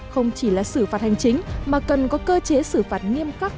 không chỉ là xử phạt hành chính mà cần có cơ chế xử phạt nghiêm khắc